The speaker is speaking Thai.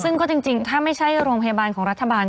ซึ่งก็จริงถ้าไม่ใช่โรงพยาบาลของรัฐบาล